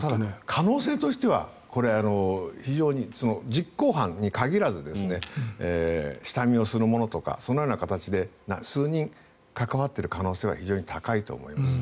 可能性としては非常に実行犯に限らず下見をする者とかそのような形で数人関わっている可能性は非常に高いと思います。